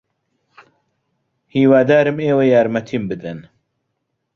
ھیوادارم ئێوە یارمەتیم بدەن.